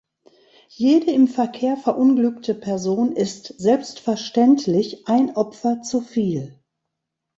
Jede im Verkehr verunglückte Person ist selbstverständlich ein Opfer zu viel.